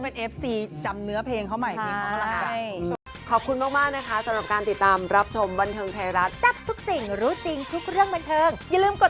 ทีนี้ก็ร้องพร้อมอะไรถึงร้องก็มองตัวเองเหมือนกัน